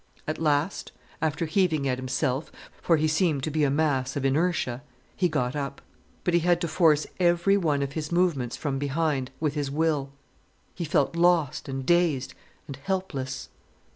At last, after heaving at himself, for he seemed to be a mass of inertia, he got up. But he had to force every one of his movements from behind, with his will. He felt lost, and dazed, and helpless.